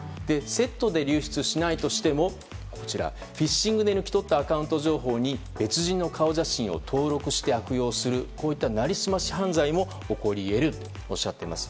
セットで流出しないとしてもフィッシングで抜き取ったアカウント情報に別人の顔写真を登録して悪用するなりすまし犯罪も起こり得るとおっしゃっています。